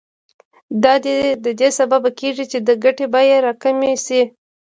دا د دې سبب کېږي چې د ګټې بیه راکمه شي